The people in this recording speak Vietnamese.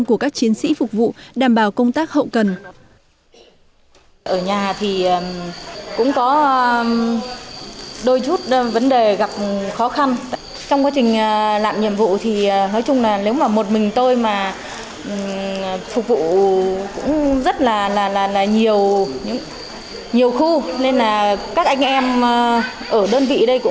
của các chiến sĩ phục vụ đảm bảo công tác hậu cần